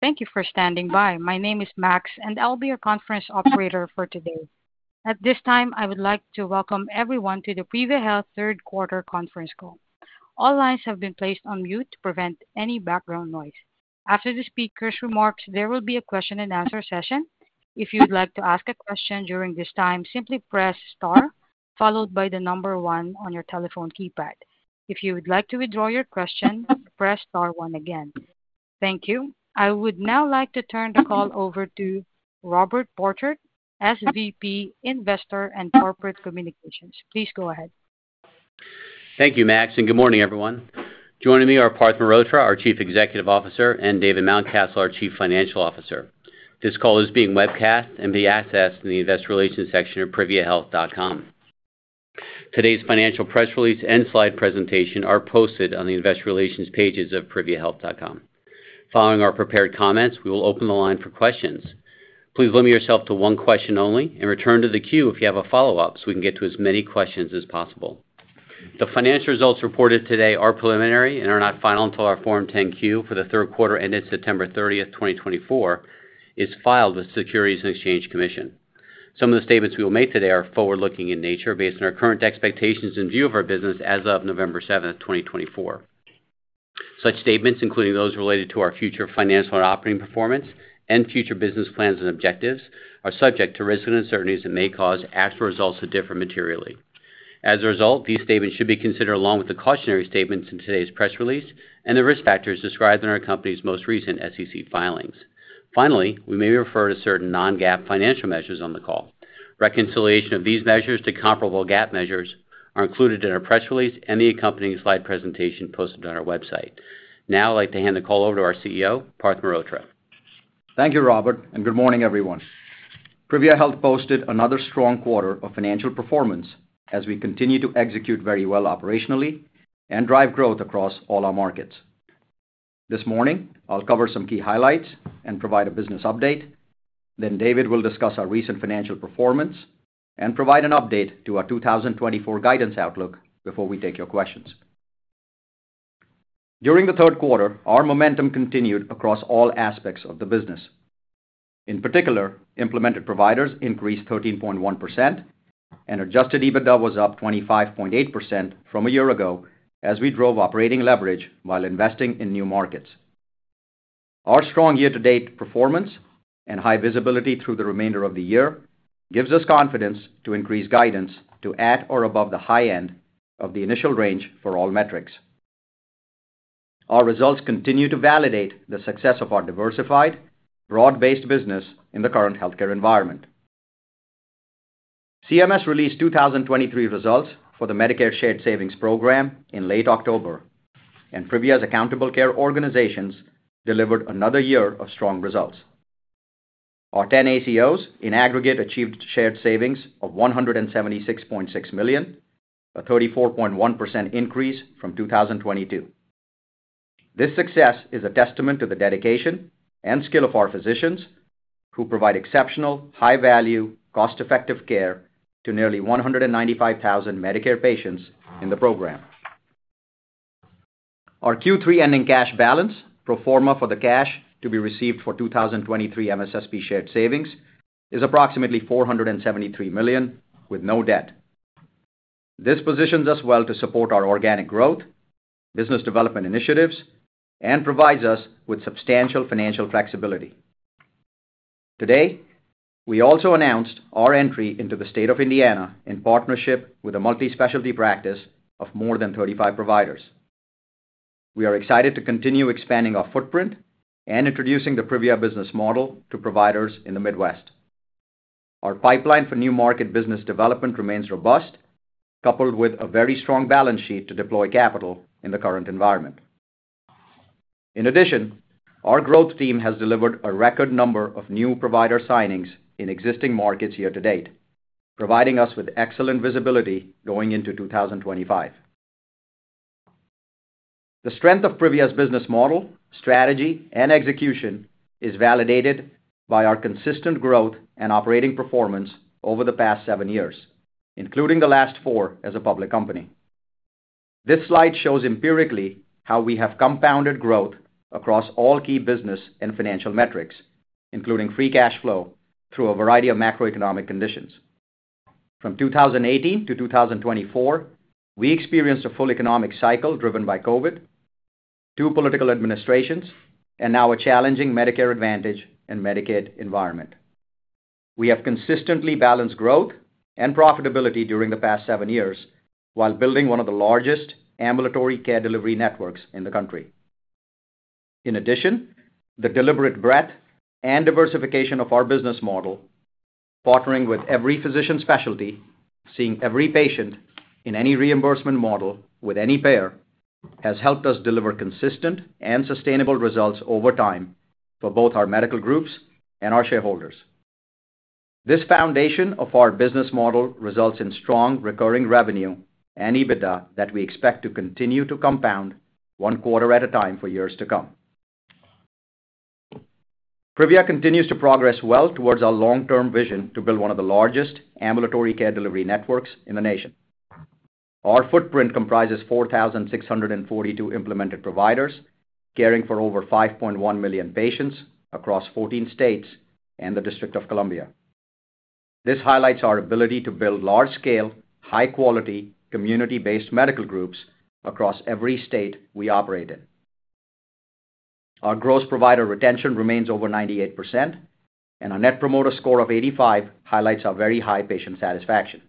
Thank you for standing by. My name is Max, and I'll be your Conference Operator for today. At this time, I would like to welcome everyone to the Privia Health third-quarter conference call. All lines have been placed on mute to prevent any background noise. After the speaker's remarks, there will be a question-and-answer session. If you'd like to ask a question during this time, simply press star followed by the number one on your telephone keypad. If you would like to withdraw your question, press star one again. Thank you. I would now like to turn the call over to Robert Borchert, SVP, Investor and Corporate Communications. Please go ahead. Thank you, Max, and good morning, everyone. Joining me are Parth Mehrotra, our Chief Executive Officer, and David Mountcastle, our Chief Financial Officer. This call is being webcast and will be accessed in the Investor Relations section of priviahealth.com. Today's financial press release and slide presentation are posted on the Investor Relations pages of priviahealth.com. Following our prepared comments, we will open the line for questions. Please limit yourself to one question only and return to the queue if you have a follow-up so we can get to as many questions as possible. The financial results reported today are preliminary and are not final until our Form 10-Q for the third quarter ended September 30th, 2024, is filed with the Securities and Exchange Commission. Some of the statements we will make today are forward-looking in nature based on our current expectations and view of our business as of November 7th, 2024. Such statements, including those related to our future financial and operating performance and future business plans and objectives, are subject to risks and uncertainties that may cause actual results to differ materially. As a result, these statements should be considered along with the cautionary statements in today's press release and the risk factors described in our company's most recent SEC filings. Finally, we may refer to certain non-GAAP financial measures on the call. Reconciliation of these measures to comparable GAAP measures are included in our press release and the accompanying slide presentation posted on our website. Now, I'd like to hand the call over to our CEO, Parth Mehrotra. Thank you, Robert, and good morning, everyone. Privia Health posted another strong quarter of financial performance as we continue to execute very well operationally and drive growth across all our markets. This morning, I'll cover some key highlights and provide a business update. Then David will discuss our recent financial performance and provide an update to our 2024 guidance outlook before we take your questions. During the third quarter, our momentum continued across all aspects of the business. In particular, implemented providers increased 13.1%, and adjusted EBITDA was up 25.8% from a year ago as we drove operating leverage while investing in new markets. Our strong year-to-date performance and high visibility through the remainder of the year gives us confidence to increase guidance to at or above the high end of the initial range for all metrics. Our results continue to validate the success of our diversified, broad-based business in the current healthcare environment. CMS released 2023 results for the Medicare Shared Savings Program in late October, and Privia's accountable care organizations delivered another year of strong results. Our 10 ACOs in aggregate achieved shared savings of $176.6 million, a 34.1% increase from 2022. This success is a testament to the dedication and skill of our physicians who provide exceptional, high-value, cost-effective care to nearly 195,000 Medicare patients in the program. Our Q3 ending cash balance, pro forma for the cash to be received for 2023 MSSP shared savings, is approximately $473 million with no debt. This positions us well to support our organic growth, business development initiatives, and provides us with substantial financial flexibility. Today, we also announced our entry into the state of Indiana in partnership with a multi-specialty practice of more than 35 providers. We are excited to continue expanding our footprint and introducing the Privia business model to providers in the Midwest. Our pipeline for new market business development remains robust, coupled with a very strong balance sheet to deploy capital in the current environment. In addition, our growth team has delivered a record number of new provider signings in existing markets year-to-date, providing us with excellent visibility going into 2025. The strength of Privia's business model, strategy, and execution is validated by our consistent growth and operating performance over the past seven years, including the last four as a public company. This slide shows empirically how we have compounded growth across all key business and financial metrics, including free cash flow, through a variety of macroeconomic conditions. From 2018 to 2024, we experienced a full economic cycle driven by COVID, two political administrations, and now a challenging Medicare Advantage and Medicaid environment. We have consistently balanced growth and profitability during the past seven years while building one of the largest ambulatory care delivery networks in the country. In addition, the deliberate breadth and diversification of our business model, partnering with every physician specialty, seeing every patient in any reimbursement model with any payer, has helped us deliver consistent and sustainable results over time for both our medical groups and our shareholders. This foundation of our business model results in strong recurring revenue and EBITDA that we expect to continue to compound one quarter at a time for years to come. Privia continues to progress well towards our long-term vision to build one of the largest ambulatory care delivery networks in the nation. Our footprint comprises 4,642 implemented providers caring for over 5.1 million patients across 14 states and the District of Columbia. This highlights our ability to build large-scale, high-quality, community-based medical groups across every state we operate in. Our gross provider retention remains over 98%, and our Net Promoter Score of 85 highlights our very high patient satisfaction.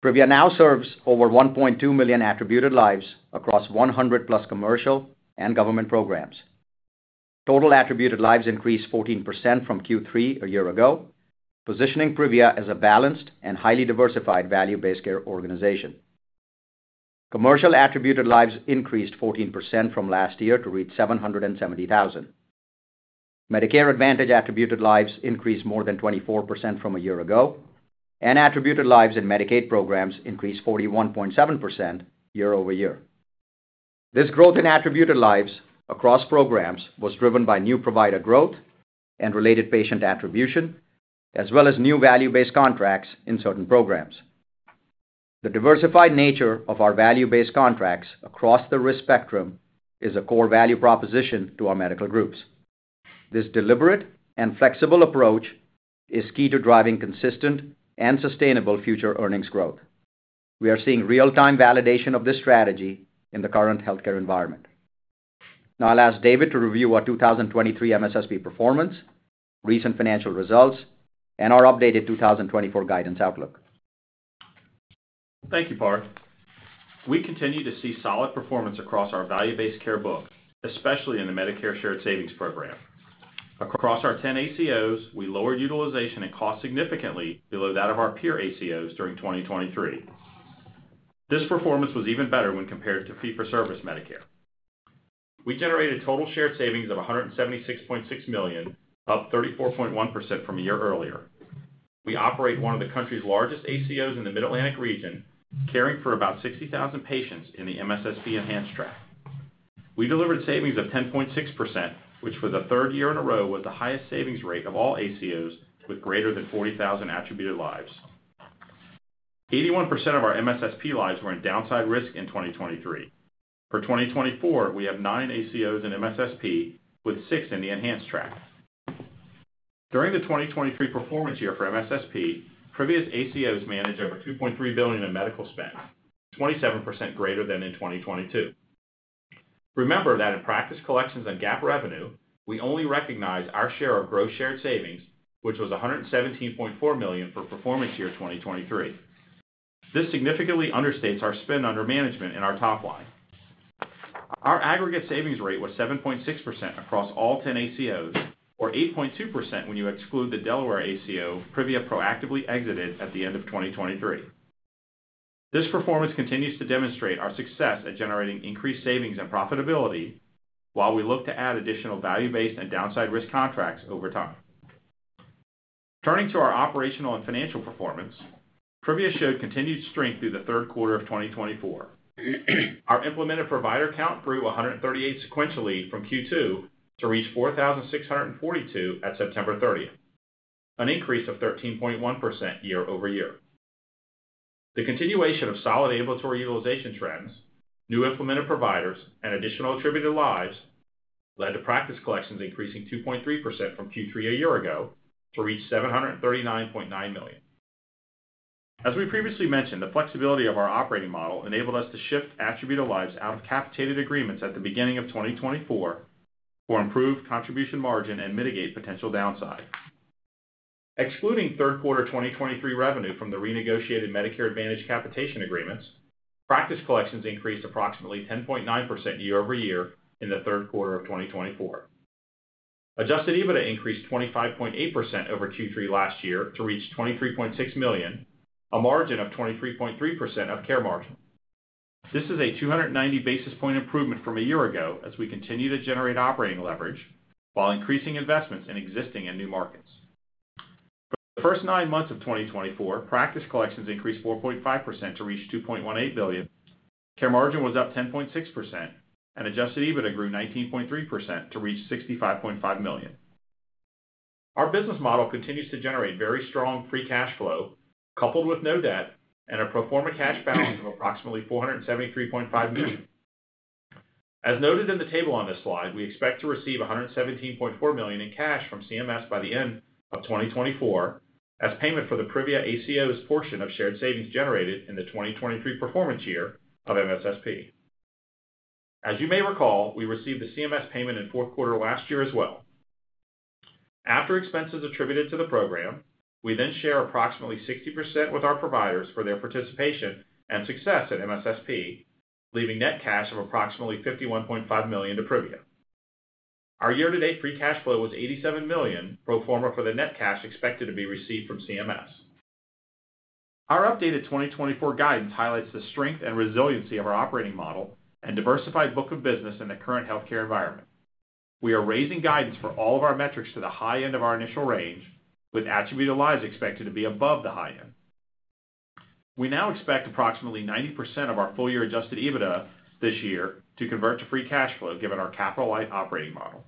Privia now serves over 1.2 million attributed lives across 100+ commercial and government programs. Total attributed lives increased 14% from Q3 a year ago, positioning Privia as a balanced and highly diversified value-based care organization. Commercial attributed lives increased 14% from last year to reach 770,000. Medicare Advantage attributed lives increased more than 24% from a year ago, and attributed lives in Medicaid programs increased 41.7% year-over-year. This growth in attributed lives across programs was driven by new provider growth and related patient attribution, as well as new value-based contracts in certain programs. The diversified nature of our value-based contracts across the risk spectrum is a core value proposition to our medical groups. This deliberate and flexible approach is key to driving consistent and sustainable future earnings growth. We are seeing real-time validation of this strategy in the current healthcare environment. Now, I'll ask David to review our 2023 MSSP performance, recent financial results, and our updated 2024 guidance outlook. Thank you, Parth. We continue to see solid performance across our value-based care book, especially in the Medicare Shared Savings Program. Across our 10 ACOs, we lowered utilization and cost significantly below that of our peer ACOs during 2023. This performance was even better when compared to fee-for-service Medicare. We generated total shared savings of $176.6 million, up 34.1% from a year earlier. We operate one of the country's largest ACOs in the Mid-Atlantic region, caring for about 60,000 patients in the MSSP Enhanced Track. We delivered savings of 10.6%, which for the third year in a row was the highest savings rate of all ACOs with greater than 40,000 attributed lives. 81% of our MSSP lives were in downside risk in 2023. For 2024, we have nine ACOs in MSSP, with six in the Enhanced Track. During the 2023 performance year for MSSP, Privia's ACOs managed over $2.3 billion in medical spend, 27% greater than in 2022. Remember that in practice collections and GAAP revenue, we only recognize our share of gross shared savings, which was $117.4 million for performance year 2023. This significantly understates our spend under management in our top line. Our aggregate savings rate was 7.6% across all 10 ACOs, or 8.2% when you exclude the Delaware ACO Privia proactively exited at the end of 2023. This performance continues to demonstrate our success at generating increased savings and profitability while we look to add additional value-based and downside risk contracts over time. Turning to our operational and financial performance, Privia showed continued strength through the third quarter of 2024. Our implemented provider count grew 138 sequentially from Q2 to reach 4,642 at September 30th, an increase of 13.1% year-over-year. The continuation of solid ambulatory utilization trends, new implemented providers, and additional attributed lives led to practice collections increasing 2.3% from Q3 a year ago to reach $739.9 million. As we previously mentioned, the flexibility of our operating model enabled us to shift attributed lives out of capitated agreements at the beginning of 2024 for improved contribution margin and mitigate potential downside. Excluding third quarter 2023 revenue from the renegotiated Medicare Advantage capitation agreements, practice collections increased approximately 10.9% year-over-year in the third quarter of 2024. Adjusted EBITDA increased 25.8% over Q3 last year to reach $23.6 million, a margin of 23.3% of care margin. This is a 290 basis points improvement from a year ago as we continue to generate operating leverage while increasing investments in existing and new markets. For the first nine months of 2024, practice collections increased 4.5% to reach $2.18 billion. Care margin was up 10.6%, and adjusted EBITDA grew 19.3% to reach $65.5 million. Our business model continues to generate very strong free cash flow, coupled with no debt, and a pro forma cash balance of approximately $473.5 million. As noted in the table on this slide, we expect to receive $117.4 million in cash from CMS by the end of 2024 as payment for the Privia ACOs portion of shared savings generated in the 2023 performance year of MSSP. As you may recall, we received the CMS payment in fourth quarter last year as well. After expenses attributed to the program, we then share approximately 60% with our providers for their participation and success at MSSP, leaving net cash of approximately $51.5 million to Privia. Our year-to-date free cash flow was $87 million, pro forma for the net cash expected to be received from CMS. Our updated 2024 guidance highlights the strength and resiliency of our operating model and diversified book of business in the current healthcare environment. We are raising guidance for all of our metrics to the high end of our initial range, with attributed lives expected to be above the high end. We now expect approximately 90% of our full-year adjusted EBITDA this year to convert to free cash flow, given our capital-light operating model.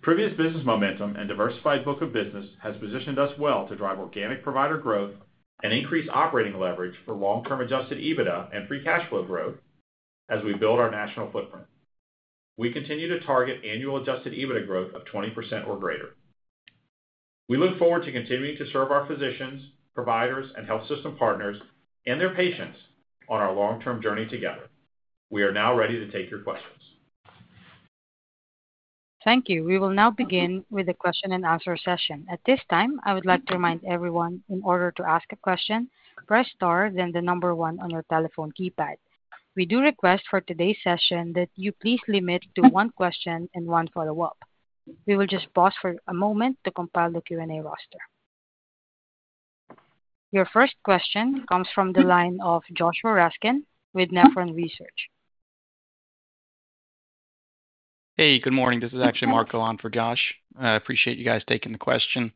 Privia's business momentum and diversified book of business has positioned us well to drive organic provider growth and increase operating leverage for long-term adjusted EBITDA and free cash flow growth as we build our national footprint. We continue to target annual adjusted EBITDA growth of 20% or greater. We look forward to continuing to serve our physicians, providers, and health system partners and their patients on our long-term journey together. We are now ready to take your questions. Thank you. We will now begin with the question and answer session. At this time, I would like to remind everyone in order to ask a question, press star, then the number one on your telephone keypad. We do request for today's session that you please limit to one question and one follow-up. We will just pause for a moment to compile the Q&A roster. Your first question comes from the line of Joshua Raskin with Nephron Research. Hey, good morning. This is actually Marc Gallant for Josh. I appreciate you guys taking the question.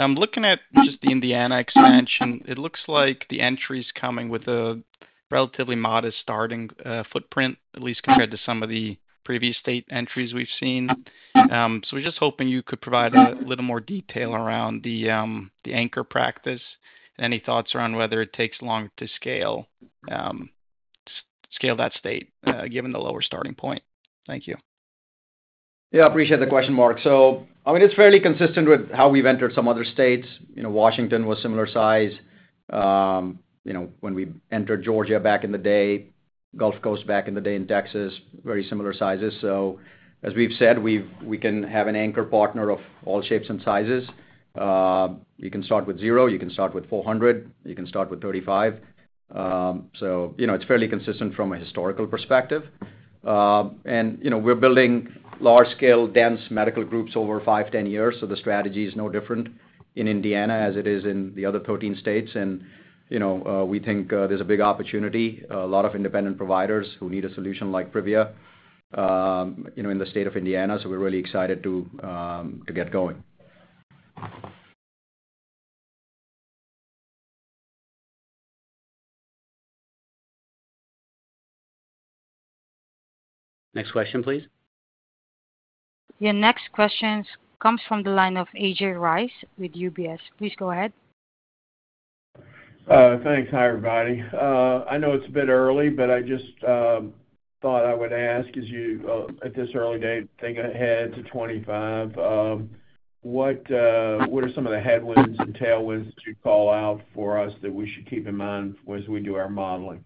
I'm looking at just the Indiana expansion. It looks like the entry is coming with a relatively modest starting footprint, at least compared to some of the previous state entries we've seen. So we're just hoping you could provide a little more detail around the anchor practice and any thoughts around whether it takes longer to scale that state given the lower starting point. Thank you. Yeah, I appreciate the question, Mark. So I mean, it's fairly consistent with how we've entered some other states. Washington was similar size when we entered Georgia back in the day. Gulf Coast back in the day in Texas, very similar sizes. So as we've said, we can have an anchor partner of all shapes and sizes. You can start with zero. You can start with 400. You can start with 35. So it's fairly consistent from a historical perspective. And we're building large-scale, dense medical groups over five, 10 years. So the strategy is no different in Indiana as it is in the other 13 states. And we think there's a big opportunity. A lot of independent providers who need a solution like Privia in the state of Indiana. So we're really excited to get going. Next question, please. Your next question comes from the line of A.J. Rice with UBS. Please go ahead. Thanks. Hi, everybody. I know it's a bit early, but I just thought I would ask, as you at this early date, think ahead to 2025. What are some of the headwinds and tailwinds that you'd call out for us that we should keep in mind as we do our modeling?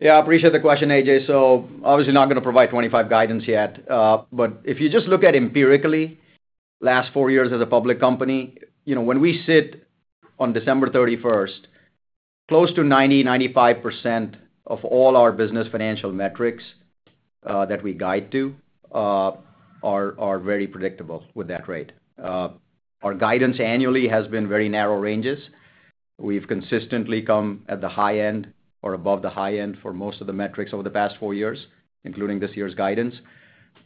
Yeah, I appreciate the question, A.J. So obviously, not going to provide 2025 guidance yet. But if you just look at empirically, last four years as a public company, when we sit on December 31st, close to 90%-95% of all our business financial metrics that we guide to are very predictable with that rate. Our guidance annually has been very narrow ranges. We've consistently come at the high end or above the high end for most of the metrics over the past four years, including this year's guidance.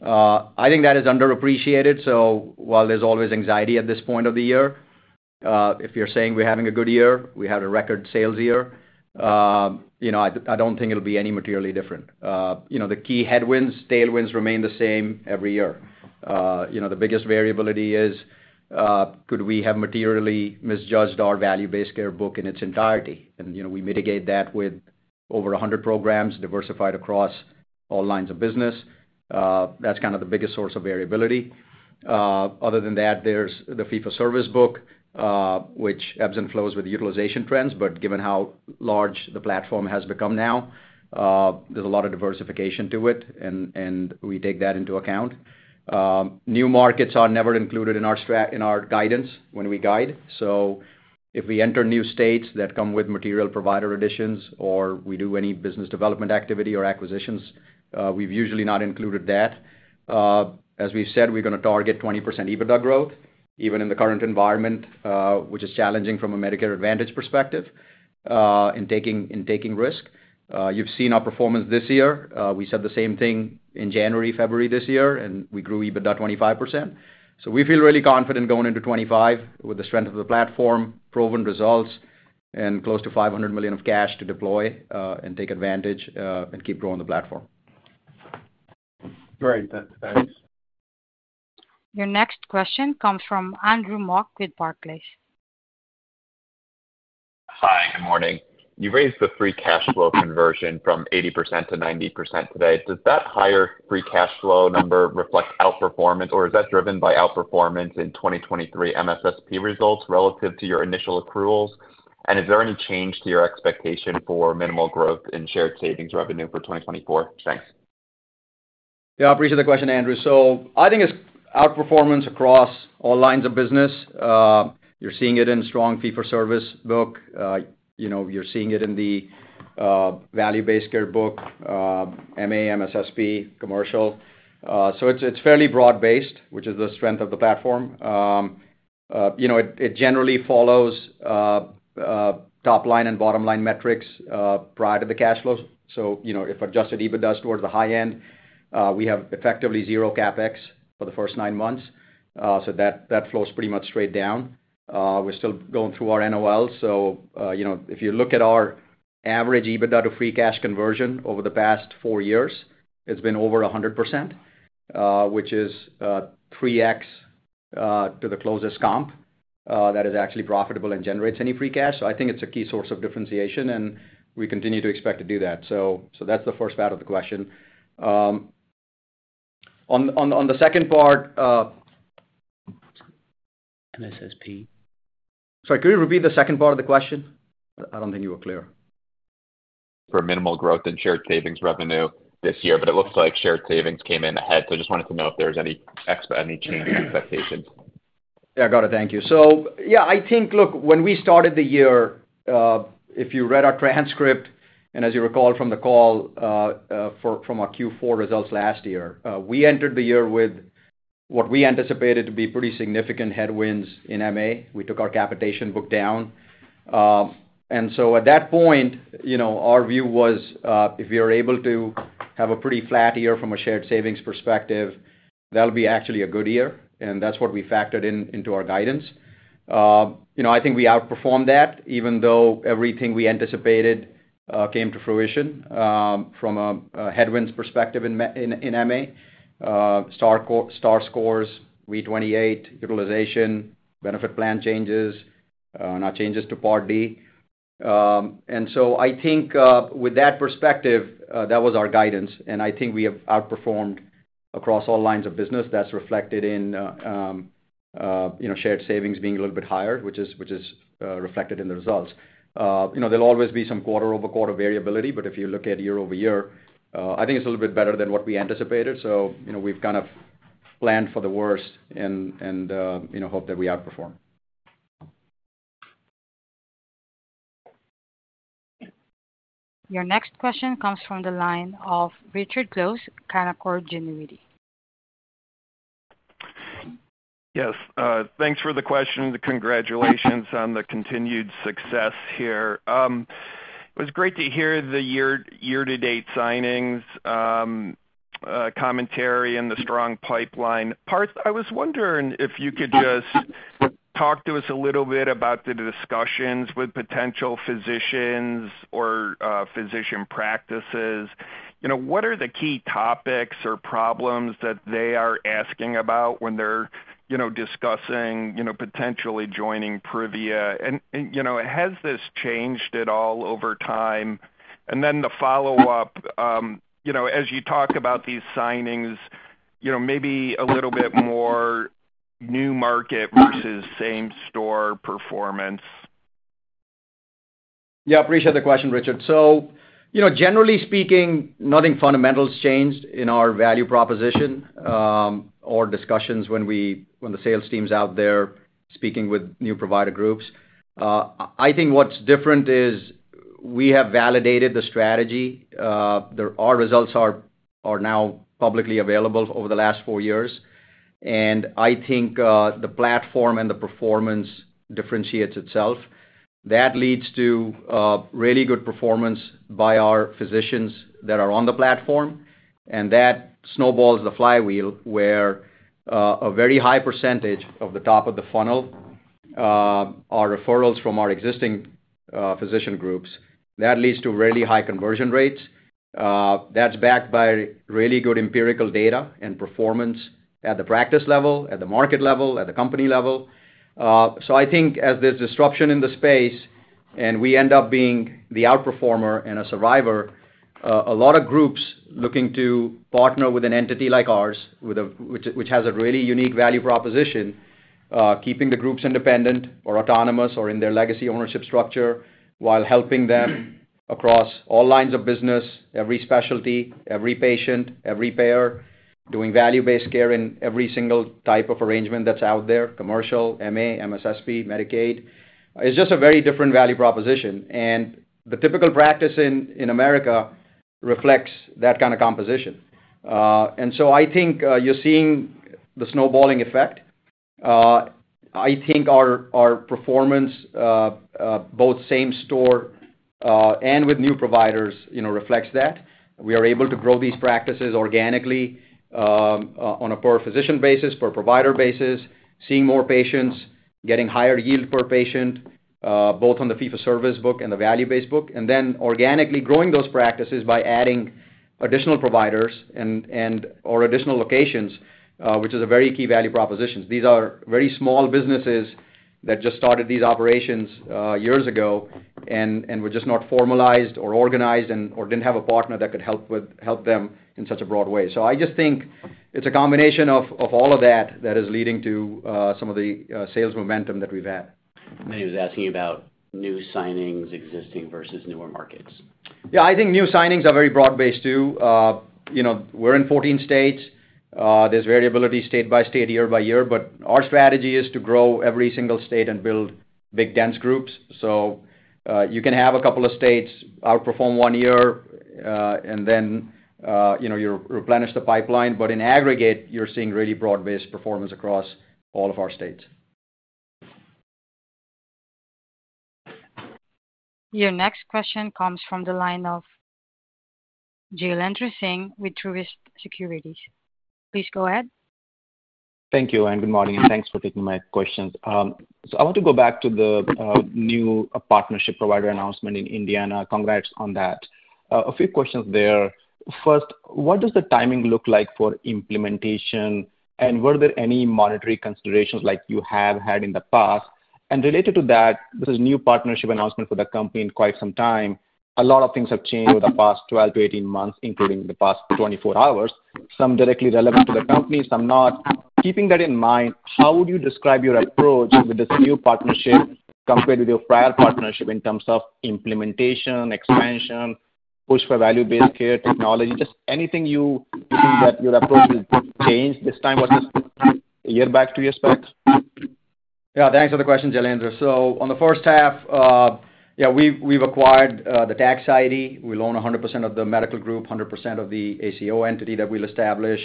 I think that is underappreciated. So while there's always anxiety at this point of the year, if you're saying we're having a good year, we had a record sales year, I don't think it'll be any materially different. The key headwinds, tailwinds remain the same every year. The biggest variability is, could we have materially misjudged our value-based care book in its entirety, and we mitigate that with over 100 programs diversified across all lines of business. That's kind of the biggest source of variability. Other than that, there's the fee-for-service book, which ebbs and flows with utilization trends, but given how large the platform has become now, there's a lot of diversification to it, and we take that into account. New markets are never included in our guidance when we guide, so if we enter new states that come with material provider additions or we do any business development activity or acquisitions, we've usually not included that. As we've said, we're going to target 20% EBITDA growth, even in the current environment, which is challenging from a Medicare Advantage perspective in taking risk. You've seen our performance this year. We said the same thing in January, February this year, and we grew EBITDA 25%. So we feel really confident going into 2025 with the strength of the platform, proven results, and close to $500 million of cash to deploy and take advantage and keep growing the platform. Great. Thanks. Your next question comes from Andrew Mok with Barclays. Hi, good morning. You've raised the free cash flow conversion from 80%-90% today. Does that higher free cash flow number reflect outperformance, or is that driven by outperformance in 2023 MSSP results relative to your initial accruals? And is there any change to your expectation for minimal growth in shared savings revenue for 2024? Thanks. Yeah, I appreciate the question, Andrew. So I think it's outperformance across all lines of business. You're seeing it in strong fee-for-service book. You're seeing it in the value-based care book, MA, MSSP, commercial. So it's fairly broad-based, which is the strength of the platform. It generally follows top line and bottom line metrics prior to the cash flows. So if adjusted EBITDA is towards the high end, we have effectively zero CapEx for the first nine months. So that flows pretty much straight down. We're still going through our NOL. So if you look at our average EBITDA to free cash conversion over the past four years, it's been over 100%, which is 3x to the closest comp that is actually profitable and generates any free cash. So I think it's a key source of differentiation, and we continue to expect to do that. So that's the first part of the question. On the second part. MSSP. Sorry, could you repeat the second part of the question? I don't think you were clear. For minimal growth in shared savings revenue this year, but it looks like shared savings came in ahead, so I just wanted to know if there's any change in expectations? Yeah, got it. Thank you. So yeah, I think, look, when we started the year, if you read our transcript and as you recall from the call from our Q4 results last year, we entered the year with what we anticipated to be pretty significant headwinds in MA. We took our capitation book down. And so at that point, our view was if we were able to have a pretty flat year from a shared savings perspective, that'll be actually a good year. And that's what we factored into our guidance. I think we outperformed that, even though everything we anticipated came to fruition from a headwinds perspective in MA: Star scores, V28, utilization, benefit plan changes, and our changes to Part D. And so I think with that perspective, that was our guidance. And I think we have outperformed across all lines of business. That's reflected in shared savings being a little bit higher, which is reflected in the results. There'll always be some quarter-over-quarter variability, but if you look at year-over-year, I think it's a little bit better than what we anticipated. So we've kind of planned for the worst and hope that we outperform. Your next question comes from the line of Richard Close, Canaccord Genuity. Yes. Thanks for the question. Congratulations on the continued success here. It was great to hear the year-to-date signings, commentary, and the strong pipeline. Parth, I was wondering if you could just talk to us a little bit about the discussions with potential physicians or physician practices. What are the key topics or problems that they are asking about when they're discussing potentially joining Privia? And has this changed at all over time? And then the follow-up, as you talk about these signings, maybe a little bit more new market versus same-store performance. Yeah, I appreciate the question, Richard. So generally speaking, nothing fundamental has changed in our value proposition or discussions when the sales team's out there speaking with new provider groups. I think what's different is we have validated the strategy. Our results are now publicly available over the last four years. And I think the platform and the performance differentiates itself. That leads to really good performance by our physicians that are on the platform. And that snowballs the flywheel where a very high percentage of the top of the funnel, our referrals from our existing physician groups, that leads to really high conversion rates. That's backed by really good empirical data and performance at the practice level, at the market level, at the company level. So, I think as there's disruption in the space and we end up being the outperformer and a survivor, a lot of groups looking to partner with an entity like ours, which has a really unique value proposition, keeping the groups independent or autonomous or in their legacy ownership structure while helping them across all lines of business, every specialty, every patient, every payer, doing value-based care in every single type of arrangement that's out there, commercial, MA, MSSP, Medicaid. It's just a very different value proposition, and the typical practice in America reflects that kind of composition, and so I think you're seeing the snowballing effect. I think our performance, both same-store and with new providers, reflects that. We are able to grow these practices organically on a per-physician basis, per-provider basis, seeing more patients, getting higher yield per patient, both on the fee-for-service book and the value-based book. And then organically growing those practices by adding additional providers or additional locations, which is a very key value proposition. These are very small businesses that just started these operations years ago and were just not formalized or organized or didn't have a partner that could help them in such a broad way. So I just think it's a combination of all of that that is leading to some of the sales momentum that we've had. He was asking about new signings, existing versus newer markets. Yeah, I think new signings are very broad-based too. We're in 14 states. There's variability state by state, year by year. But our strategy is to grow every single state and build big, dense groups. So you can have a couple of states outperform one year, and then you replenish the pipeline. But in aggregate, you're seeing really broad-based performance across all of our states. Your next question comes from the line of Jailendra Singh with Truist Securities. Please go ahead. Thank you. And good morning. And thanks for taking my questions. So I want to go back to the new partnership provider announcement in Indiana. Congrats on that. A few questions there. First, what does the timing look like for implementation? And were there any monetary considerations like you have had in the past? And related to that, this is a new partnership announcement for the company in quite some time. A lot of things have changed over the past 12-18 months, including the past 24 hours. Some directly relevant to the company, some not. Keeping that in mind, how would you describe your approach with this new partnership compared with your prior partnership in terms of implementation, expansion, push for value-based care technology? Just anything you think that your approach has changed this time versus a year back to two years back? Yeah. Thanks for the question, Jailendra. So on the first half, yeah, we've acquired the tax ID. We'll own 100% of the medical group, 100% of the ACO entity that we'll establish,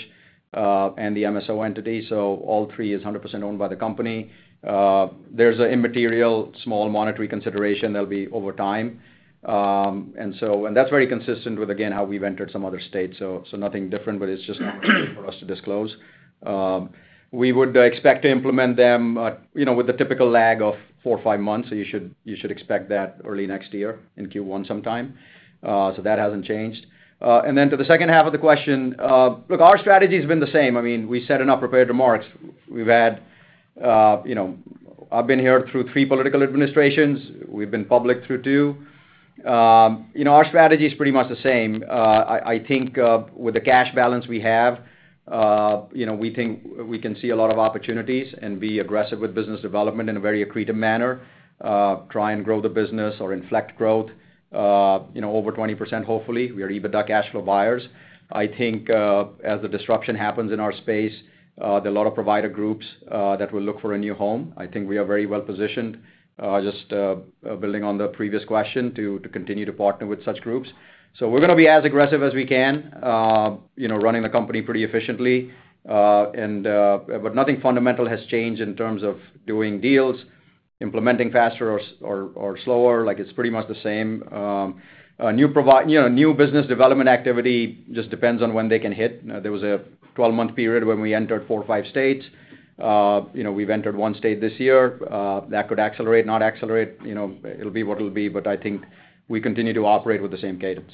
and the MSO entity. So all three is 100% owned by the company. There's an immaterial small monetary consideration that'll be over time. And that's very consistent with, again, how we've entered some other states. So nothing different, but it's just for us to disclose. We would expect to implement them with the typical lag of four or five months. So you should expect that early next year in Q1 sometime. So that hasn't changed. And then to the second half of the question, look, our strategy has been the same. I mean, we set enough prepared remarks. We've had. I've been here through three political administrations. We've been public through two. Our strategy is pretty much the same. I think with the cash balance we have, we think we can see a lot of opportunities and be aggressive with business development in a very accretive manner, try and grow the business or inflect growth over 20%, hopefully. We are EBITDA cash flow buyers. I think as the disruption happens in our space, there are a lot of provider groups that will look for a new home. I think we are very well positioned, just building on the previous question, to continue to partner with such groups. So we're going to be as aggressive as we can, running the company pretty efficiently. But nothing fundamental has changed in terms of doing deals, implementing faster or slower. It's pretty much the same. New business development activity just depends on when they can hit. There was a 12-month period when we entered four or five states. We've entered one state this year. That could accelerate, not accelerate. It'll be what it'll be. But I think we continue to operate with the same cadence.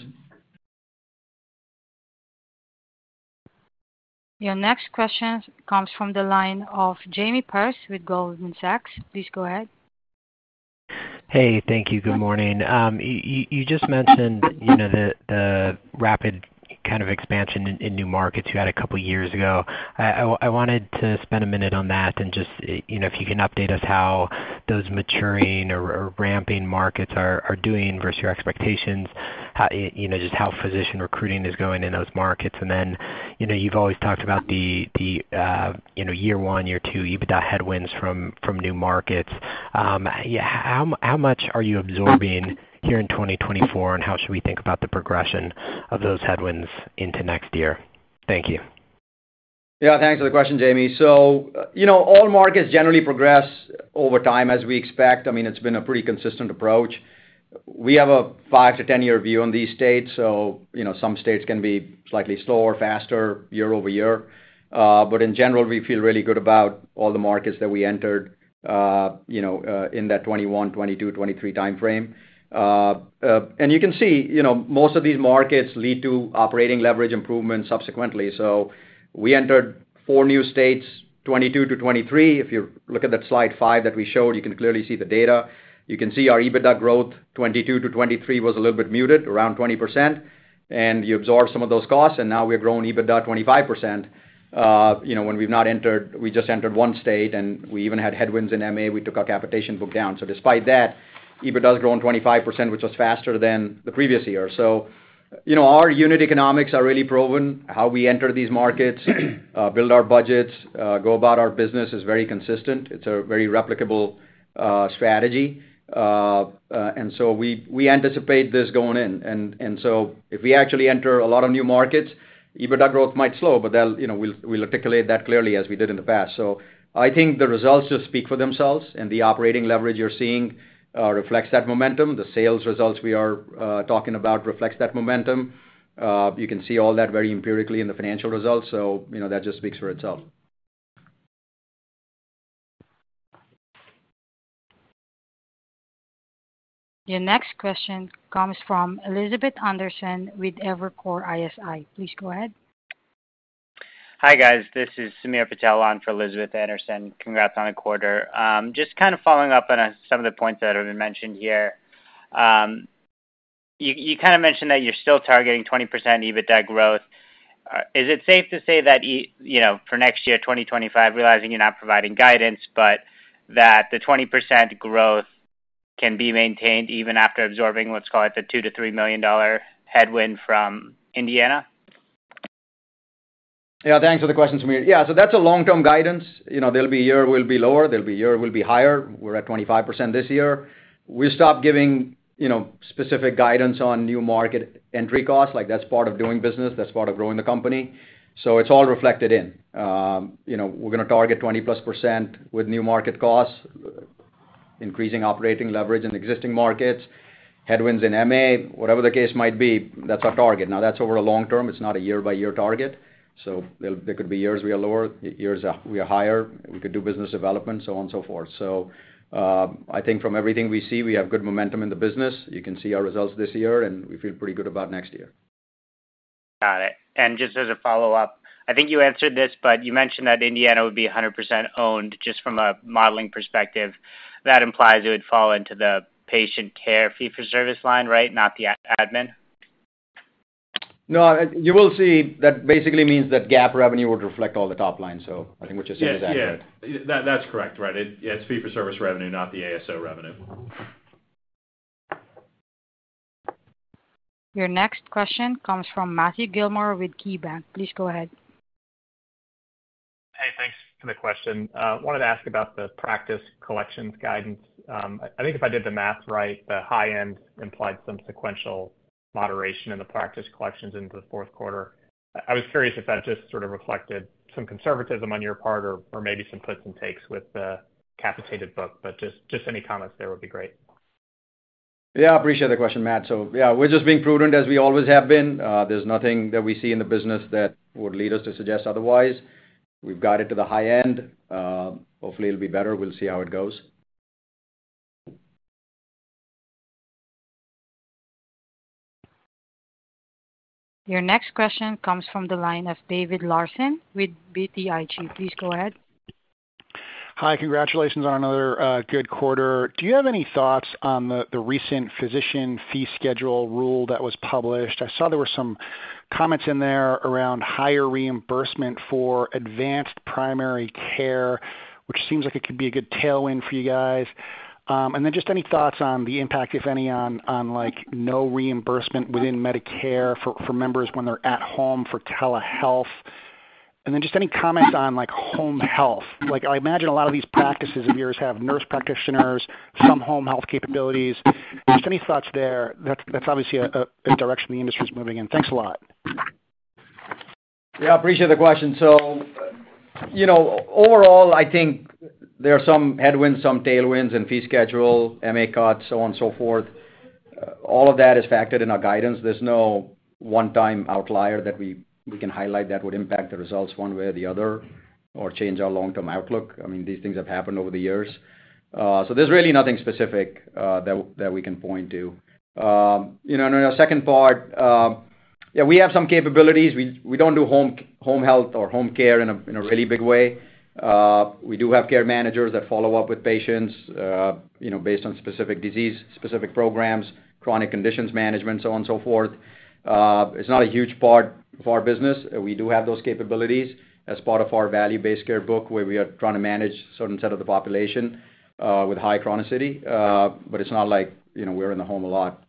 Your next question comes from the line of Jamie Perse with Goldman Sachs. Please go ahead. Hey. Thank you. Good morning. You just mentioned the rapid kind of expansion in new markets you had a couple of years ago. I wanted to spend a minute on that and just if you can update us how those maturing or ramping markets are doing versus your expectations, just how physician recruiting is going in those markets. And then you've always talked about the year one, year two EBITDA headwinds from new markets. How much are you absorbing here in 2024, and how should we think about the progression of those headwinds into next year? Thank you. Yeah. Thanks for the question, Jamie. So all markets generally progress over time as we expect. I mean, it's been a pretty consistent approach. We have a five- to 10-year view on these states. So some states can be slightly slower, faster, year-over-year. But in general, we feel really good about all the markets that we entered in that 2021, 2022, 2023 timeframe. And you can see most of these markets lead to operating leverage improvements subsequently. So we entered four new states, 2022-2023. If you look at that slide five that we showed, you can clearly see the data. You can see our EBITDA growth 2022-2023 was a little bit muted, around 20%. And you absorbed some of those costs, and now we have grown EBITDA 25% when we've not entered. We just entered one state, and we even had headwinds in MA. We took our capitation book down. So despite that, EBITDA has grown 25%, which was faster than the previous year. So our unit economics are really proven. How we enter these markets, build our budgets, go about our business is very consistent. It's a very replicable strategy. And so we anticipate this going in. And so if we actually enter a lot of new markets, EBITDA growth might slow, but we'll articulate that clearly as we did in the past. So I think the results just speak for themselves. And the operating leverage you're seeing reflects that momentum. The sales results we are talking about reflects that momentum. You can see all that very empirically in the financial results. So that just speaks for itself. Your next question comes from Elizabeth Anderson with Evercore ISI. Please go ahead. Hi guys. This is Sameer Patel on for Elizabeth Anderson. Congrats on the quarter. Just kind of following up on some of the points that have been mentioned here. You kind of mentioned that you're still targeting 20% EBITDA growth. Is it safe to say that for next year, 2025, realizing you're not providing guidance, but that the 20% growth can be maintained even after absorbing what's called the $2 million-$3 million headwind from Indiana? Yeah. Thanks for the question, Sameer. Yeah. So that's a long-term guidance. There'll be a year we'll be lower. There'll be a year we'll be higher. We're at 25% this year. We'll stop giving specific guidance on new market entry costs. That's part of doing business. That's part of growing the company. So it's all reflected in. We're going to target 20%+ with new market costs, increasing operating leverage in existing markets, headwinds in MA, whatever the case might be. That's our target. Now, that's over a long term. It's not a year-by-year target. So there could be years we are lower, years we are higher. We could do business development, so on and so forth. So I think from everything we see, we have good momentum in the business. You can see our results this year, and we feel pretty good about next year. Got it. And just as a follow-up, I think you answered this, but you mentioned that Indiana would be 100% owned just from a modeling perspective. That implies it would fall into the patient care fee-for-service line, right? Not the admin? No. You will see that basically means that GAAP revenue would reflect all the top line. So I think what you're saying is accurate. Yeah. That's correct. Right. It's fee-for-service revenue, not the ACO revenue. Your next question comes from Matthew Gilmore with KeyBanc. Please go ahead. Hey. Thanks for the question. I wanted to ask about the practice collections guidance. I think if I did the math right, the high-end implied some sequential moderation in the practice collections into the fourth quarter. I was curious if that just sort of reflected some conservatism on your part or maybe some puts and takes with the capitated book. But just any comments there would be great. Yeah. I appreciate the question, Matt. So yeah, we're just being prudent as we always have been. There's nothing that we see in the business that would lead us to suggest otherwise. We've got it to the high end. Hopefully, it'll be better. We'll see how it goes. Your next question comes from the line of David Larsen with BTIG. Please go ahead. Hi. Congratulations on another good quarter. Do you have any thoughts on the recent Physician Fee Schedule rule that was published? I saw there were some comments in there around higher reimbursement for advanced primary care, which seems like it could be a good tailwind for you guys. And then just any thoughts on the impact, if any, on no reimbursement within Medicare for members when they're at home for telehealth? And then just any comments on home health. I imagine a lot of these practices of yours have nurse practitioners, some home health capabilities. Just any thoughts there? That's obviously a direction the industry is moving in. Thanks a lot. Yeah. I appreciate the question. So overall, I think there are some headwinds, some tailwinds in fee schedule, MA cuts, so on and so forth. All of that is factored in our guidance. There's no one-time outlier that we can highlight that would impact the results one way or the other or change our long-term outlook. I mean, these things have happened over the years. So there's really nothing specific that we can point to. And then our second part, yeah, we have some capabilities. We don't do home health or home care in a really big way. We do have care managers that follow up with patients based on specific disease, specific programs, chronic conditions management, so on and so forth. It's not a huge part of our business. We do have those capabilities as part of our value-based care book where we are trying to manage a certain set of the population with high chronicity. But it's not like we're in the home a lot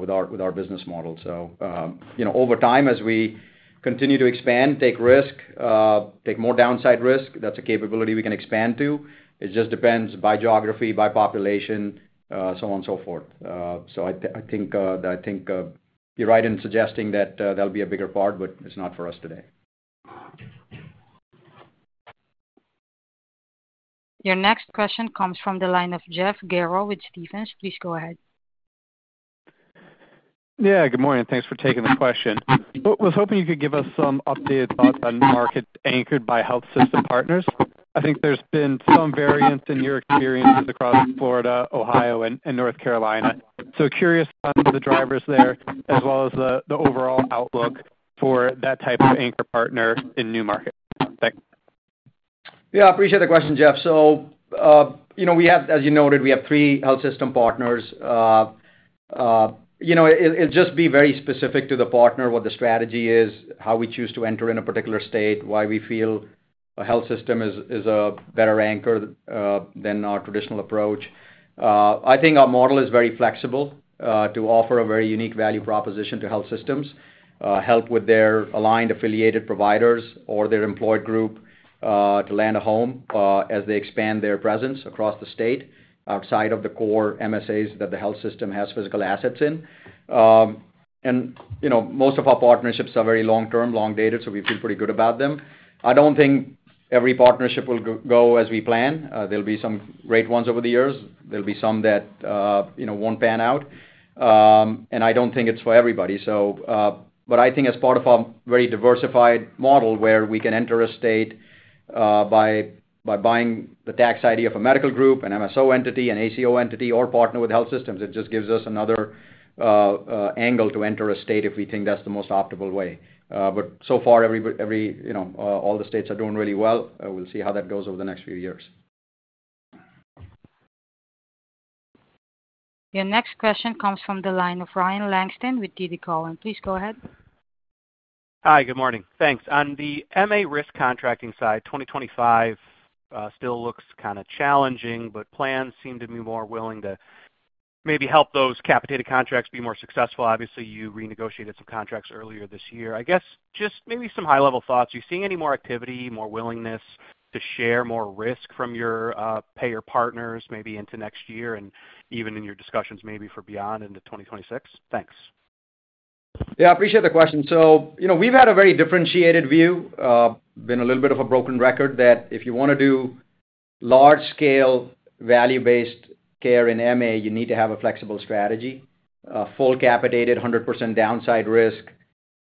with our business model. So over time, as we continue to expand, take risk, take more downside risk, that's a capability we can expand to. It just depends by geography, by population, so on and so forth. So I think you're right in suggesting that there'll be a bigger part, but it's not for us today. Your next question comes from the line of Jeff Garro with Stephens. Please go ahead. Yeah. Good morning. Thanks for taking the question. Was hoping you could give us some updated thoughts on markets anchored by health system partners. I think there's been some variance in your experiences across Florida, Ohio, and North Carolina, so curious on the drivers there as well as the overall outlook for that type of anchor partner in new markets. Thanks. Yeah. I appreciate the question, Jeff. So as you noted, we have three health system partners. It'll just be very specific to the partner what the strategy is, how we choose to enter in a particular state, why we feel a health system is a better anchor than our traditional approach. I think our model is very flexible to offer a very unique value proposition to health systems, help with their aligned affiliated providers or their employed group to land a home as they expand their presence across the state outside of the core MSAs that the health system has physical assets in. And most of our partnerships are very long-term, long-dated, so we feel pretty good about them. I don't think every partnership will go as we plan. There'll be some great ones over the years. There'll be some that won't pan out. I don't think it's for everybody. I think as part of our very diversified model where we can enter a state by buying the tax ID of a medical group, an MSO entity, an ACO entity, or partner with health systems, it just gives us another angle to enter a state if we think that's the most optimal way. So far, all the states are doing really well. We'll see how that goes over the next few years. Your next question comes from the line of Ryan Langston with TD Cowen. Please go ahead. Hi. Good morning. Thanks. On the MA risk contracting side, 2025 still looks kind of challenging, but plans seem to be more willing to maybe help those capitated contracts be more successful. Obviously, you renegotiated some contracts earlier this year. I guess just maybe some high-level thoughts. Are you seeing any more activity, more willingness to share more risk from your payer partners maybe into next year and even in your discussions maybe for beyond into 2026? Thanks. Yeah. I appreciate the question. So we've had a very differentiated view. Been a little bit of a broken record that if you want to do large-scale value-based care in MA, you need to have a flexible strategy. Full capitated, 100% downside risk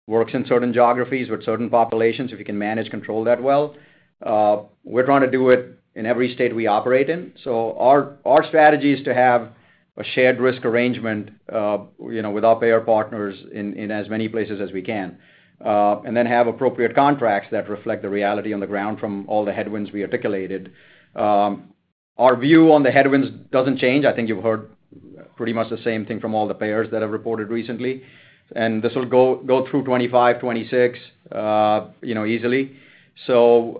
works in certain geographies with certain populations if you can manage control that well. We're trying to do it in every state we operate in. So our strategy is to have a shared risk arrangement with our payer partners in as many places as we can and then have appropriate contracts that reflect the reality on the ground from all the headwinds we articulated. Our view on the headwinds doesn't change. I think you've heard pretty much the same thing from all the payers that have reported recently. And this will go through 2025, 2026 easily. So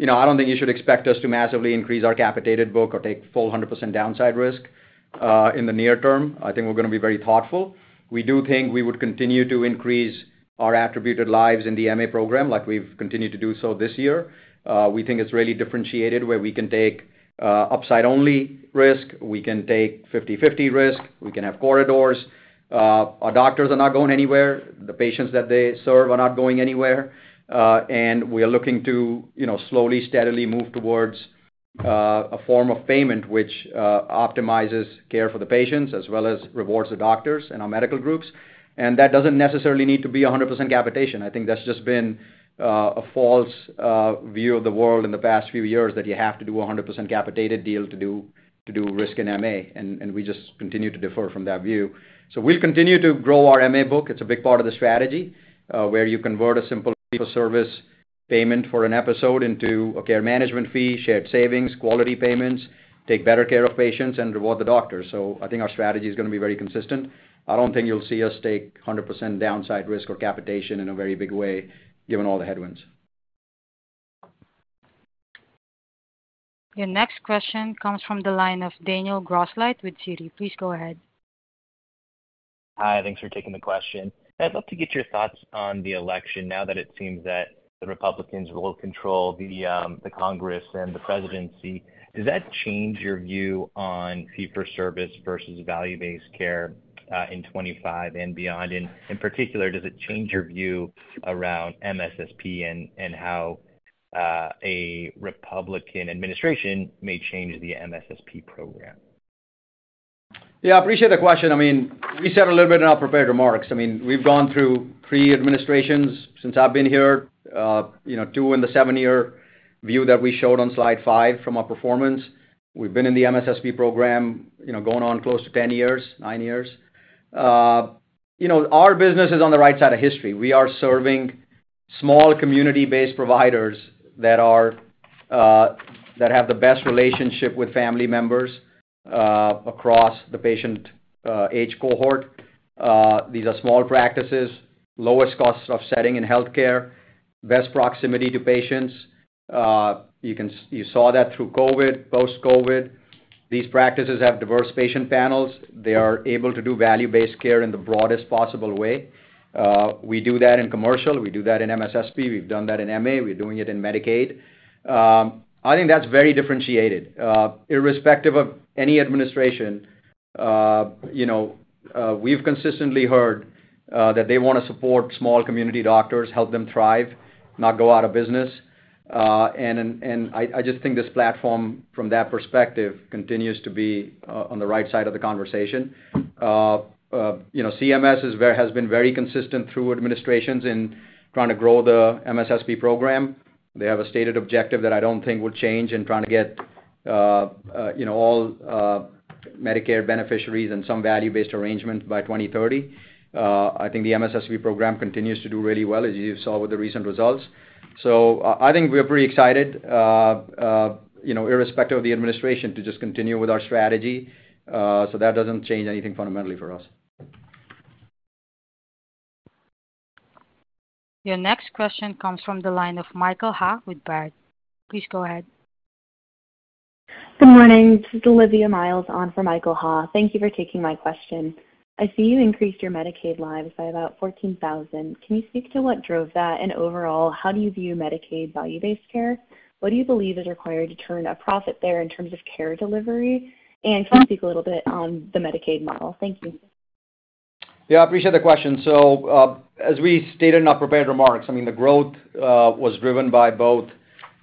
I don't think you should expect us to massively increase our capitated book or take full 100% downside risk in the near term. I think we're going to be very thoughtful. We do think we would continue to increase our attributed lives in the MA program like we've continued to do so this year. We think it's really differentiated where we can take upside-only risk. We can take 50/50 risk. We can have corridors. Our doctors are not going anywhere. The patients that they serve are not going anywhere. And we are looking to slowly, steadily move towards a form of payment which optimizes care for the patients as well as rewards the doctors and our medical groups. And that doesn't necessarily need to be 100% capitation. I think that's just been a false view of the world in the past few years that you have to do a 100% capitated deal to do risk in MA. And we just continue to differ from that view. So we'll continue to grow our MA book. It's a big part of the strategy where you convert a simple fee-for-service payment for an episode into a care management fee, shared savings, quality payments, take better care of patients, and reward the doctors. So I think our strategy is going to be very consistent. I don't think you'll see us take 100% downside risk or capitation in a very big way given all the headwinds. Your next question comes from the line of Daniel Grosslight with Citi. Please go ahead. Hi. Thanks for taking the question. I'd love to get your thoughts on the election now that it seems that the Republicans will control the Congress and the presidency. Does that change your view on fee-for-service versus value-based care in 2025 and beyond? And in particular, does it change your view around MSSP and how a Republican administration may change the MSSP program? Yeah. I appreciate the question. I mean, we said a little bit in our prepared remarks. I mean, we've gone through three administrations since I've been here, two in the seven-year view that we showed on slide five from our performance. We've been in the MSSP program going on close to 10 years, nine years. Our business is on the right side of history. We are serving small community-based providers that have the best relationship with family members across the patient age cohort. These are small practices, lowest cost of setting in healthcare, best proximity to patients. You saw that through COVID, post-COVID. These practices have diverse patient panels. They are able to do value-based care in the broadest possible way. We do that in commercial. We do that in MSSP. We've done that in MA. We're doing it in Medicaid. I think that's very differentiated. Irrespective of any administration, we've consistently heard that they want to support small community doctors, help them thrive, not go out of business. And I just think this platform, from that perspective, continues to be on the right side of the conversation. CMS has been very consistent through administrations in trying to grow the MSSP program. They have a stated objective that I don't think will change in trying to get all Medicare beneficiaries and some value-based arrangement by 2030. I think the MSSP program continues to do really well, as you saw with the recent results. So I think we're pretty excited, irrespective of the administration, to just continue with our strategy. So that doesn't change anything fundamentally for us. Your next question comes from the line of Michael Ha with Baird. Please go ahead. Good morning. This is Olivia Miles on for Michael Ha. Thank you for taking my question. I see you increased your Medicaid lives by about 14,000. Can you speak to what drove that? And overall, how do you view Medicaid value-based care? What do you believe is required to turn a profit there in terms of care delivery? And can you speak a little bit on the Medicaid model? Thank you. Yeah. I appreciate the question. So as we stated in our prepared remarks, I mean, the growth was driven by both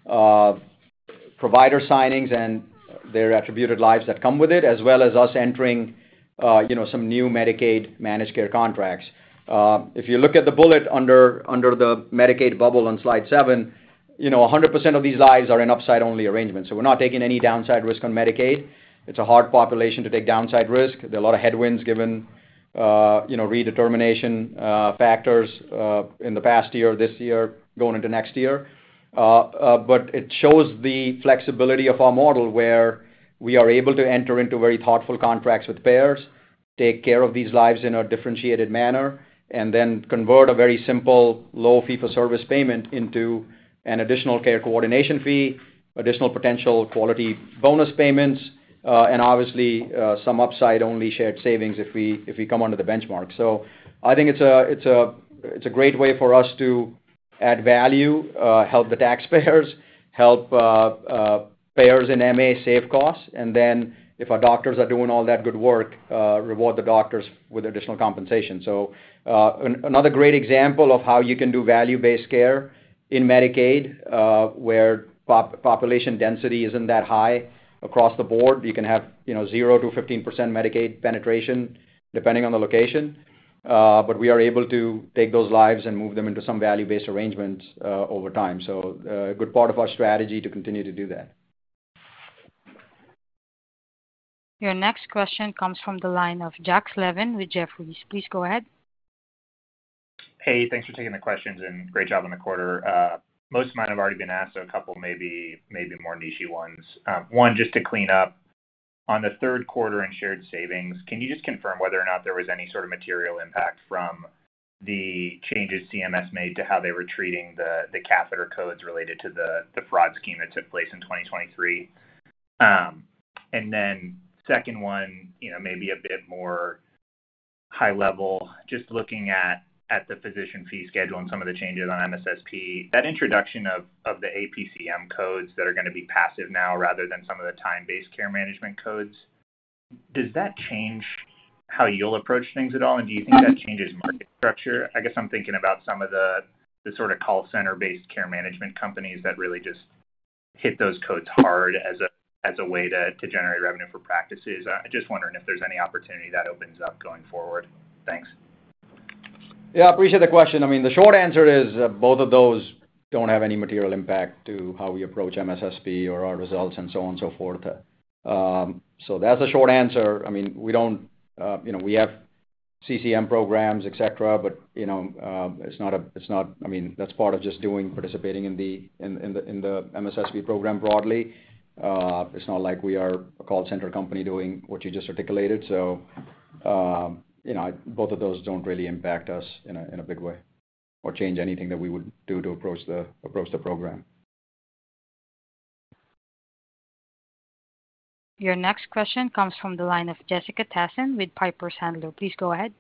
provider signings and their attributed lives that come with it, as well as us entering some new Medicaid managed care contracts. If you look at the bullet under the Medicaid bubble on slide seven, 100% of these lives are in upside-only arrangements. So we're not taking any downside risk on Medicaid. It's a hard population to take downside risk. There are a lot of headwinds given redetermination factors in the past year, this year, going into next year. But it shows the flexibility of our model where we are able to enter into very thoughtful contracts with payers, take care of these lives in a differentiated manner, and then convert a very simple low fee-for-service payment into an additional care coordination fee, additional potential quality bonus payments, and obviously some upside-only shared savings if we come under the benchmark. So I think it's a great way for us to add value, help the taxpayers, help payers in MA save costs, and then if our doctors are doing all that good work, reward the doctors with additional compensation. So another great example of how you can do value-based care in Medicaid where population density isn't that high across the board. You can have 0%-15% Medicaid penetration depending on the location. But we are able to take those lives and move them into some value-based arrangements over time. So a good part of our strategy to continue to do that. Your next question comes from the line of Jack Slevin with Jefferies. Please go ahead. Hey. Thanks for taking the questions, and great job in the quarter. Most of mine have already been asked, so a couple, maybe, more niche ones. One, just to clean up, on the third quarter in shared savings, can you just confirm whether or not there was any sort of material impact from the changes CMS made to how they were treating the catheter codes related to the fraud scheme that took place in 2023? And then, second one, maybe a bit more high level, just looking at the Physician Fee Schedule and some of the changes on MSSP, that introduction of the APCM codes that are going to be passive now rather than some of the time-based care management codes, does that change how you'll approach things at all? And do you think that changes market structure? I guess I'm thinking about some of the sort of call center-based care management companies that really just hit those codes hard as a way to generate revenue for practices. I'm just wondering if there's any opportunity that opens up going forward? Thanks. Yeah. I appreciate the question. I mean, the short answer is both of those don't have any material impact to how we approach MSSP or our results and so on and so forth. So that's a short answer. I mean, we have CCM programs, et cetera, but it's not a—I mean, that's part of just doing participating in the MSSP program broadly. It's not like we are a call center company doing what you just articulated. So both of those don't really impact us in a big way or change anything that we would do to approach the program. Your next question comes from the line of Jessica Tassan with Piper Sandler. Please go ahead.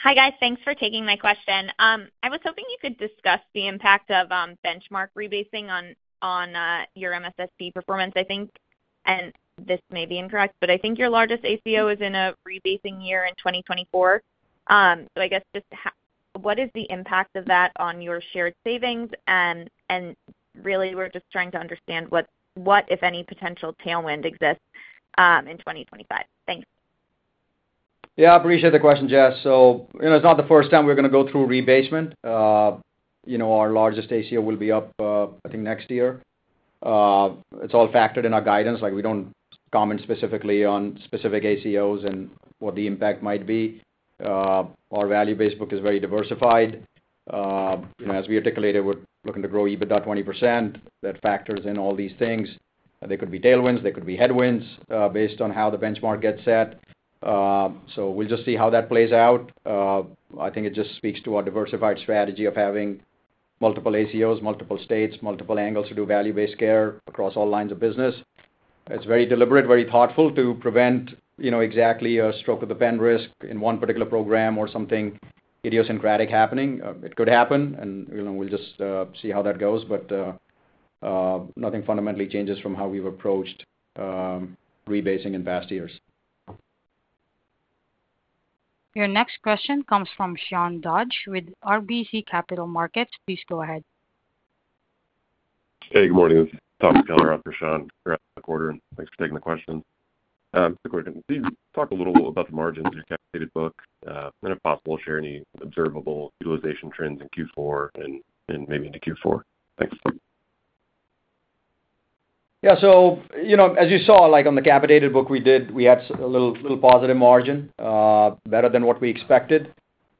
Hi, guys. Thanks for taking my question. I was hoping you could discuss the impact of benchmark rebasing on your MSSP performance. I think, and this may be incorrect, but I think your largest ACO is in a rebasing year in 2024. So I guess just what is the impact of that on your shared savings? And really, we're just trying to understand what, if any, potential tailwind exists in 2025. Thanks. Yeah. I appreciate the question, Jess. So it's not the first time we're going to go through rebasing. Our largest ACO will be up, I think, next year. It's all factored in our guidance. We don't comment specifically on specific ACOs and what the impact might be. Our value-based book is very diversified. As we articulated, we're looking to grow EBITDA 20%. That factors in all these things. There could be tailwinds. There could be headwinds based on how the benchmark gets set. So we'll just see how that plays out. I think it just speaks to our diversified strategy of having multiple ACOs, multiple states, multiple angles to do value-based care across all lines of business. It's very deliberate, very thoughtful to prevent exactly a stroke of the pen risk in one particular program or something idiosyncratic happening. It could happen, and we'll just see how that goes. But nothing fundamentally changes from how we've approached rebasing in past years. Your next question comes from Sean Dodge with RBC Capital Markets. Please go ahead. Hey. Good morning. This is Thomas Kunkle on for Sean Dodge. And thanks for taking the question. Mr. Mehrotra, can you talk a little about the margins in your capitated book and, if possible, share any observable utilization trends in Q4 and maybe into Q4? Thanks. Yeah. So as you saw, on the capitated book we did, we had a little positive margin, better than what we expected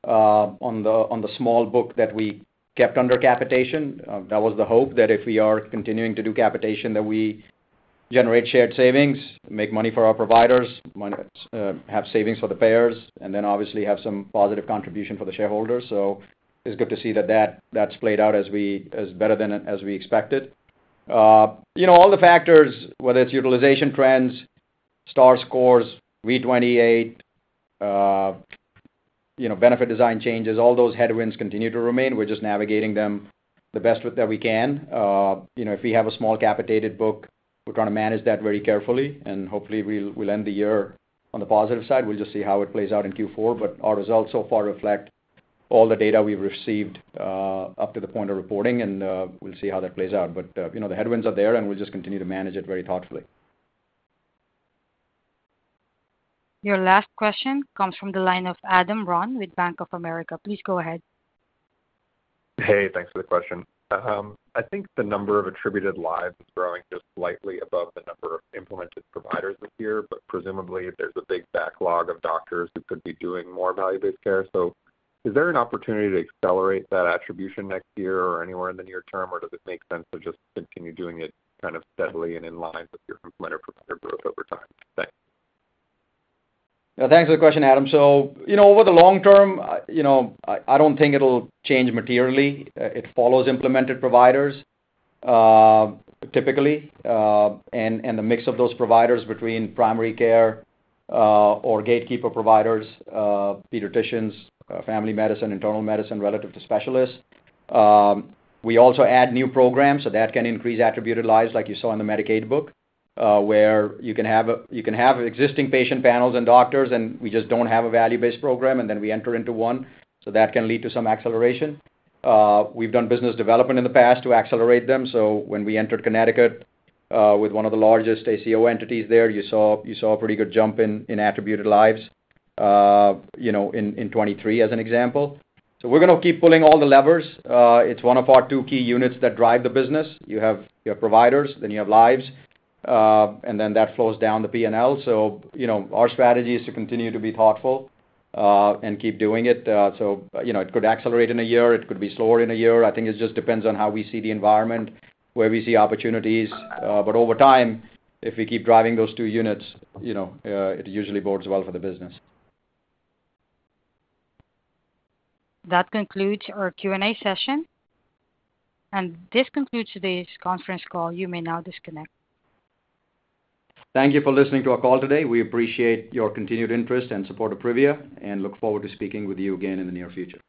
on the small book that we kept under capitation. That was the hope that if we are continuing to do capitation, that we generate shared savings, make money for our providers, have savings for the payers, and then obviously have some positive contribution for the shareholders. So it's good to see that that's played out as better than as we expected. All the factors, whether it's utilization trends, Star scores, V28, benefit design changes, all those headwinds, continue to remain. We're just navigating them the best that we can. If we have a small capitated book, we're trying to manage that very carefully. And hopefully, we'll end the year on the positive side. We'll just see how it plays out in Q4. But our results so far reflect all the data we've received up to the point of reporting. And we'll see how that plays out. But the headwinds are there, and we'll just continue to manage it very thoughtfully. Your last question comes from the line of Adam Ron with Bank of America. Please go ahead. Hey. Thanks for the question. I think the number of attributed lives is growing just slightly above the number of implemented providers this year. But presumably, there's a big backlog of doctors who could be doing more value-based care. So is there an opportunity to accelerate that attribution next year or anywhere in the near term? Or does it make sense to just continue doing it kind of steadily and in line with your implemented provider growth over time? Thanks. Yeah. Thanks for the question, Adam. So over the long term, I don't think it'll change materially. It follows implemented providers typically and the mix of those providers between primary care or gatekeeper providers, pediatricians, family medicine, internal medicine relative to specialists. We also add new programs. So that can increase attributed lives like you saw in the Medicaid book where you can have existing patient panels and doctors, and we just don't have a value-based program, and then we enter into one. So that can lead to some acceleration. We've done business development in the past to accelerate them. So when we entered Connecticut with one of the largest ACO entities there, you saw a pretty good jump in attributed lives in 2023 as an example. So we're going to keep pulling all the levers. It's one of our two key units that drive the business. You have providers, then you have lives, and then that flows down the P&L. So our strategy is to continue to be thoughtful and keep doing it. So it could accelerate in a year. It could be slower in a year. I think it just depends on how we see the environment, where we see opportunities. But over time, if we keep driving those two units, it usually bodes well for the business. That concludes our Q&A session. And this concludes today's conference call. You may now disconnect. Thank you for listening to our call today. We appreciate your continued interest and support of Privia and look forward to speaking with you again in the near future.